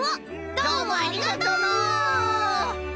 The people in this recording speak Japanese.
どうもありがとのう！